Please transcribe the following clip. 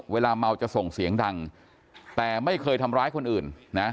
เวลาเมาจะส่งเสียงดังแต่ไม่เคยทำร้ายคนอื่นนะ